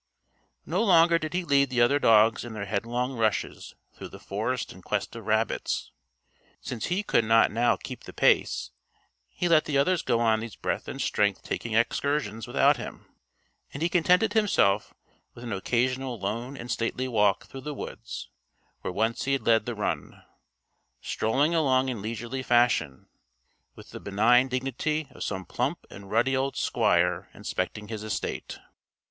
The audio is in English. No longer did he lead the other dogs in their headlong rushes through the forest in quest of rabbits. Since he could not now keep the pace, he let the others go on these breath and strength taking excursions without him; and he contented himself with an occasional lone and stately walk through the woods where once he had led the run strolling along in leisurely fashion, with the benign dignity of some plump and ruddy old squire inspecting his estate.